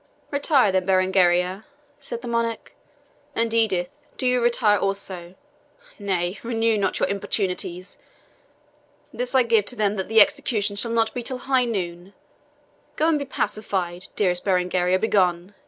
"Retire, then, Berengaria," said the Monarch; "and, Edith, do you retire also; nay, renew not your importunities! This I give to them that the execution shall not be till high noon. Go and be pacified dearest Berengaria, begone.